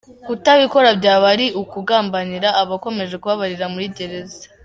Kutabikora byaba ari ukugambanira abakomeje kubabarira muri gereza.